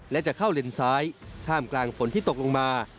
และจะเข้าเลนซ้ายท่ามกลางฝนที่ตกลงมา